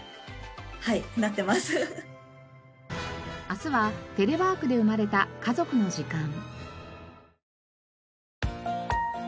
明日はテレワークで生まれた家族の時間。